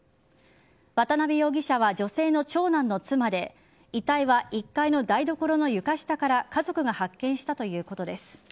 渡辺容疑者は女性の長男の妻で遺体は１階の台所の床下から家族が発見したということです。